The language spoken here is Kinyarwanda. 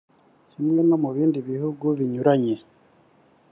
Kimwe no mu bindi bihugu binyuranye